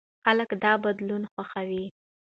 خلک دا بدلون خوښوي.